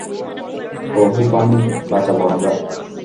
বহু প্রাণ বাঁচাবো আমরা।